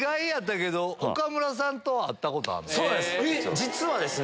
実はですね